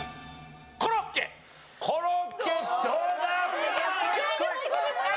コロッケどうだ？